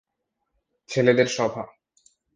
ছেলেদের সভা।